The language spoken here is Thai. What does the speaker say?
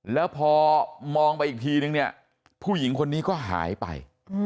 แล้วพอมองไปอีกทีนึงเนี่ยผู้หญิงคนนี้ก็หายไป